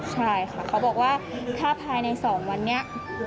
ใช่ค่ะเขาบอกว่าถ้าภายใน๒วันนี้